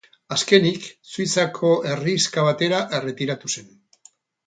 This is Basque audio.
Azkenik, Suitzako herrixka batera erretiratu zen.